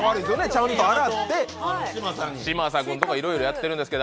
ちゃんと洗って嶋佐君とかいろいろやってるんです。